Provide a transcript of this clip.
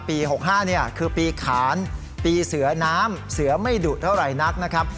๖๕คือปีขานปีเสือน้ำเสือไม่ดุเท่าไหร่นักนะครับ